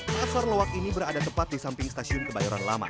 pasar lowak ini berada tepat di samping stasiun kebayoran lama